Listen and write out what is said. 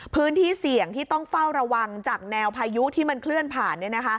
พื้นที่เสี่ยงที่ต้องเฝ้าระวังจากแนวพายุที่มันเคลื่อนผ่าน